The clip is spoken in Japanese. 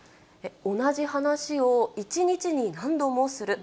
同じ話を１日に何度もする。